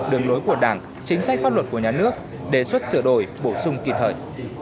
đường lối của đảng chính sách pháp luật của nhà nước đề xuất sửa đổi bổ sung kịp thời